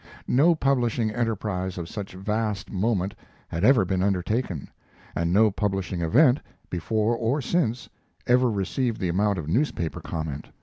No publishing enterprise of such vast moment had ever been undertaken, and no publishing event, before or since, ever received the amount of newspaper comment.